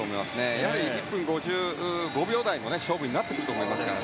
やはり１分５５秒台の勝負になってくると思いますから。